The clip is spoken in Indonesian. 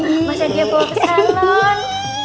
mas randy yang bawa ke salon